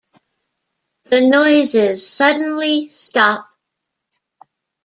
The noises suddenly stop.